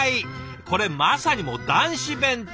これまさにもう男子弁当。